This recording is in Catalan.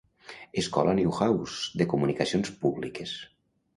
Escola Newhouse de comunicacions públiques.